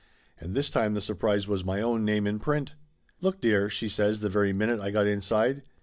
And this time the surprise was my own name in print. "Look, dear !" she says the very minute I got inside.